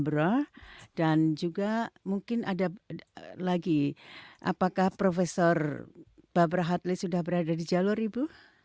berah dan juga mungkin ada lagi apakah profesor barbara hartley sudah berada di jalur ibu